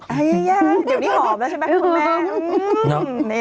เดี๋ยวนี้ออบแล้วใช่ไหมคุณแม่